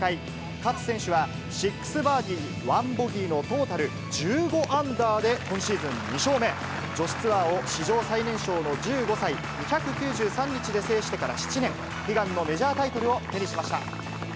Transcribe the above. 勝選手は、６バーディー１ボギーのトータル１５アンダーで今シーズン２勝目。女子ツアーを史上最年少の１５歳２９３日で制してから７年、悲願のメジャータイトルを手にしました。